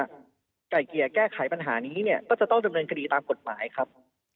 ไก่เกลี่ยแก้ไขปัญหานี้เนี่ยก็จะต้องดำเนินคดีตามกฎหมายครับ